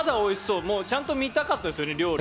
ちゃんと見たかったですよね料理ね。